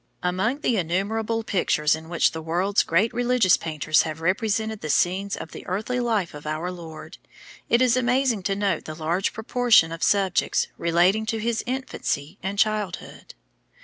Among the innumerable pictures in which the world's great religious painters have represented the scenes of the earthly life of our Lord, it is amazing to note the large proportion of subjects relating to his infancy and childhood.